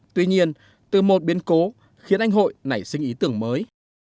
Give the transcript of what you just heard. tuy nhiên từ một biến cố khiến anh hội nảy sinh ý tưởng mới